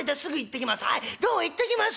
どうも行ってきます。